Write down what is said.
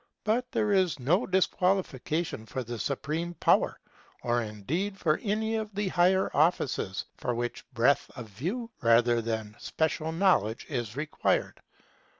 But this is no disqualification for the supreme power, or indeed for any of the higher offices for which breadth of view rather than special knowledge is required.